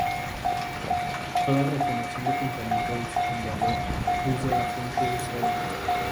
Todas reconociendo pensamiento de su fundador Luis de la Puente Uceda.